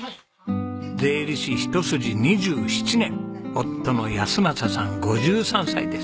税理士一筋２７年夫の安正さん５３歳です。